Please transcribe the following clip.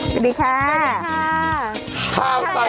สวัสดีค่า